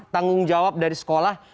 tanggung jawab dari sekolah